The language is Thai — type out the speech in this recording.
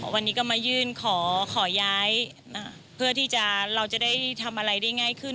วันนี้ก็มายื่นขอย้ายเพื่อที่เราจะได้ทำอะไรได้ง่ายขึ้น